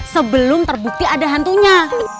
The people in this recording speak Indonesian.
sebelum terbukti ada hantunya